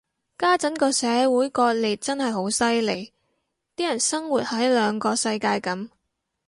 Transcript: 家陣個社會割裂真係好犀利，啲人生活喺兩個世界噉